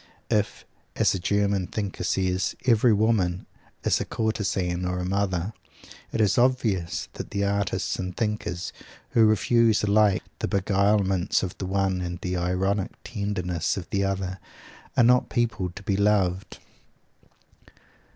If, as a German thinker says, every woman is a courtezan or a mother, it is obvious that the artists and thinkers who refuse alike the beguilements of the one and the ironic tenderness of the other, are not people to be "loved."